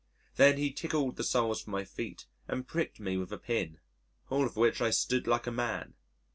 Then he tickled the soles of my feet and pricked me with a pin all of which I stood like a man.